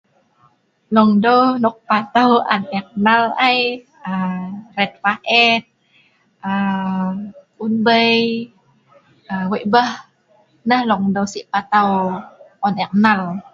Leongdeu nok patau an ek nal ai, aa red paet, unbei, wei' beh, nah leongdeu si patau on ek nal.